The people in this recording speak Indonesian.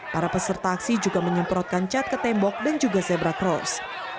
para peserta aksi juga menyemprotkan cat ke tembok dan juga zebra cross